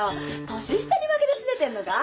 年下に負けてすねてんのか？